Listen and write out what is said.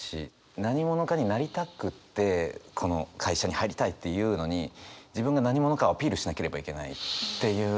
何者かになりたくってこの会社に入りたいっていうのに自分が何者かをアピールしなければいけないっていうのが。